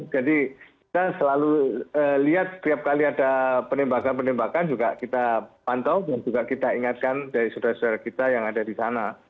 jadi kita selalu lihat setiap kali ada penembakan penembakan juga kita pantau dan juga kita ingatkan dari saudara saudara kita yang ada di sana